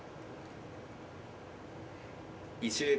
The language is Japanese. ２０秒。